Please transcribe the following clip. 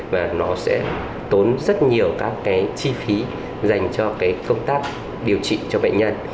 và nó sẽ tốn rất nhiều các cái chi phí dành cho công tác điều trị cho bệnh nhân